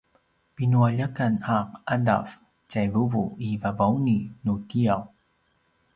pinualjakan a ’adav tjai vuvu i Vavauni nutiaw